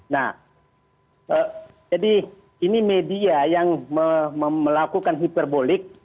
nah jadi ini media yang melakukan hiperbolik